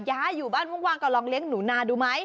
ย้ายอยู่บ้านว่างก็ลองเลี้ยงหนูนาดูไหม